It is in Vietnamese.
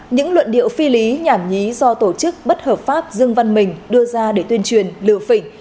những luận điệu phi lý nhảm nhí do tổ chức bất hợp pháp dương văn mình đưa ra để tuyên truyền lừa phỉnh